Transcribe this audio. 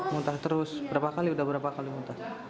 muntah terus berapa kali udah berapa kali muntah